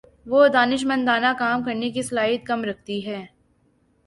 وہ دانشمندانہ کام کرنے کی صلاحیت کم رکھتی ہیں